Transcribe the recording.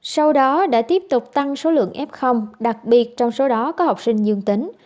sau đó đã tiếp tục tăng số lượng f đặc biệt trong số đó có học sinh dương tính